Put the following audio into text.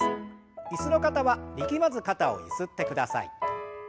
椅子の方は力まず肩をゆすってください。